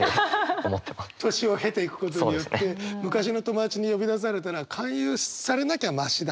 年を経ていくことによって昔の友達に呼び出されたら勧誘されなきゃマシだ。